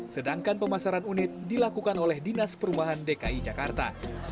sedangkan pemasaran unit dilakukan oleh dinas perumahan dki jakarta